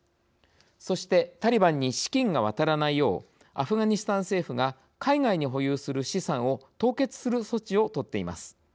そしてタリバンに資金が渡らないようアフガニスタン政府が海外に保有する資産を凍結する措置をとっています。